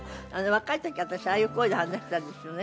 若い時は私ああいう声で話してたんですよね。